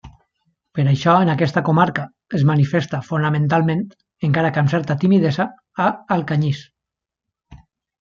Per això en aquesta comarca es manifesta fonamentalment, encara que amb certa timidesa, a Alcanyís.